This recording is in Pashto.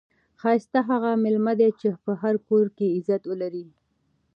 ښایسته هغه میلمه دئ، چي په هر کور کښي عزت ولري.